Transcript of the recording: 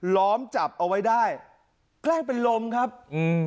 ล้อมจับเอาไว้ได้แกล้งเป็นลมครับอืม